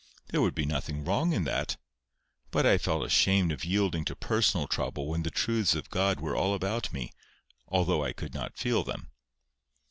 —There would be nothing wrong in that. But I felt ashamed of yielding to personal trouble when the truths of God were all about me, although I could not feel them.